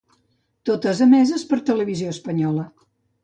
Totes emeses per Televisió Espanyola.